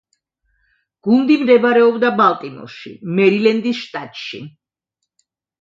გუნდი მდებარეობდა ბალტიმორში, მერილენდის შტატში.